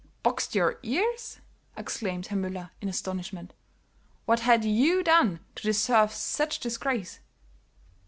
"Boxed your ears?" exclaimed Herr Müller, in astonishment. "What had you done to deserve such disgrace?"